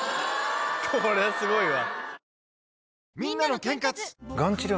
これはすごいわ。